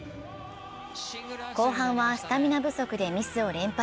後半はスタミナ不足でミスを連発。